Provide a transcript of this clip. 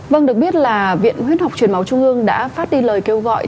vâng được biết là viện huyết học chuyển máu trung ương đã phát đi lời kêu gọi